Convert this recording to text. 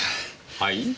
はい？